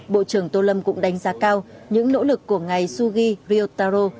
bộ trưởng tô lâm cũng đánh giá cao những nỗ lực của ngài sugi ryotaro